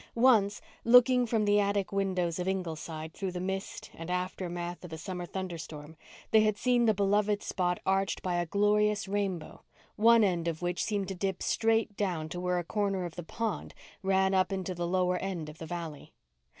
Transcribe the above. Once, looking from the attic windows of Ingleside, through the mist and aftermath of a summer thunderstorm, they had seen the beloved spot arched by a glorious rainbow, one end of which seemed to dip straight down to where a corner of the pond ran up into the lower end of the valley.